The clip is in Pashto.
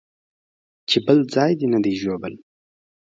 چې بل ځاى دې نه دى ژوبل.